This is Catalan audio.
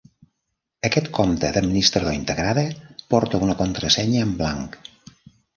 Aquest compte d'administrador integrada porta una contrasenya en blanc.